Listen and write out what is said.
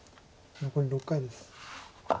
残り６回です。